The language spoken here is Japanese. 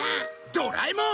ドラえもん！